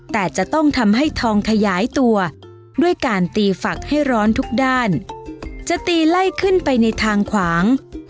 แต่จะต้องทำให้ทองขยายตัวด้วยการตีฝักให้ร้อนทุกด้านจะตีไล่ขึ้นไปในทางขวาง